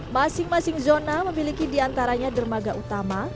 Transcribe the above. masing masing zona memiliki diantaranya dermaga utama